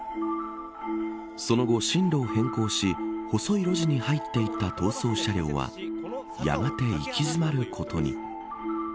その後、進路を変更し細い路地に入っていた逃走車両はやがて行き詰まることに。